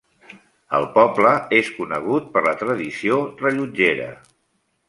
El poble és conegut per la tradició rellotgera.